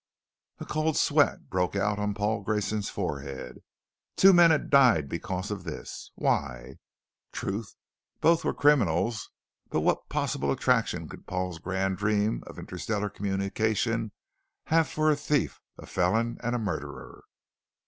A cold sweat broke out on Paul Grayson's forehead. Two men had died because of this. Why? True, both were criminals, but what possible attraction could Paul's grand dream of interstellar communications have for a thief, a felon, and a murderer?